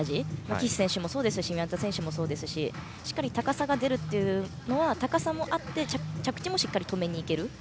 岸選手もそうですし宮田選手もそうですししっかり高さが出るというのは高さもあって着地もしっかり止めに行ける。